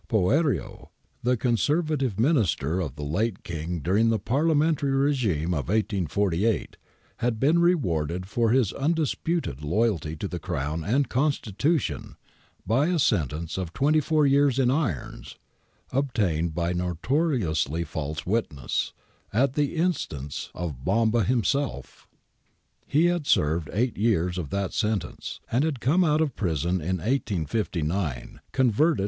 Poerio, the Conservative Minister of the late King dur ing the Parliamentary regime of 1848, had been rewarded for his undisputed loyalty to Crown and Constitution by a sentence of twenty four years in irons obtained by notoriously false witness, at the instance of Bomba him self He had served eight years of that sentence, and had come out of prison in 1859 converted